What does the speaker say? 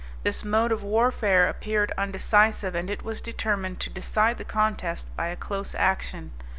This mode of warfare appeared undecisive, and it was determined to decide the contest by a close action.